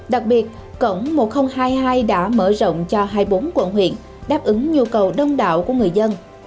đặc biệt cổng một nghìn hai mươi hai đã mở rộng cho hai mươi bốn quận huyện đáp ứng nhu cầu đông đạo của người dân